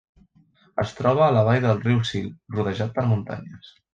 Es troba a la vall del riu Sil, rodejat per muntanyes.